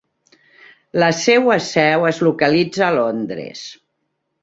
La seua seu es localitza a Londres.